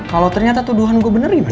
kalau ternyata tuduhan gue bener gimana